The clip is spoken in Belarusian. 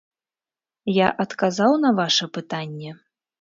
Я адказаў на ваша пытанне?